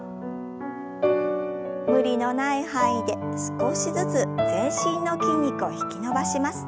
無理のない範囲で少しずつ全身の筋肉を引き伸ばします。